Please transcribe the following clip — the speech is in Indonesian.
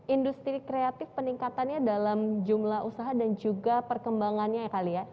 industri kreatif peningkatannya dalam jumlah usaha dan juga perkembangannya ya kali ya